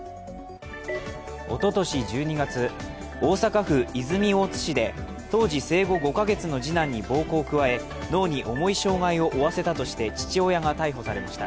おととし１２月、大阪府泉大津市で当時生後５か月の次男に暴行を加え脳に重い障害を負わせたとして父親が逮捕されました。